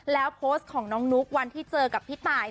แล้วโพสต์ของน้องนุ๊กวันที่เจอกับพี่ตาย